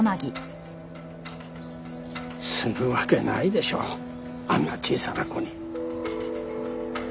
するわけないでしょあんな小さな子に。